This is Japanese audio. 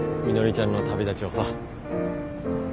みのりちゃんの旅立ちをさ。